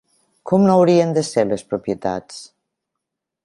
Com no haurien de ser les propietats?